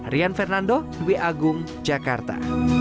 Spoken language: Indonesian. rian fernando dwi agung jakarta